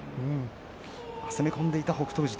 攻め込んでいった北勝富士。